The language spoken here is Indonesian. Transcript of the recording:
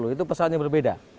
itu pesawatnya berbeda